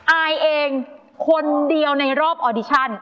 อายเองคนเดียวในรอบออดิชั่น